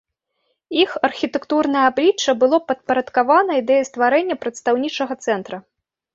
Іх архітэктурнае аблічча было падпарадкаваны ідэі стварэння прадстаўнічага цэнтра.